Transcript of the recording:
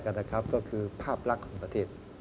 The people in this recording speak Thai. อย่างน้อยข้อแรกก็คือภาพรักของประเทศ